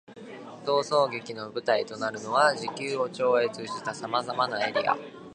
逃走劇の舞台となるのは、時空を超越した様々なエリア。